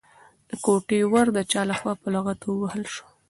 د کوټې ور د چا لخوا په لغته ووهل شو؟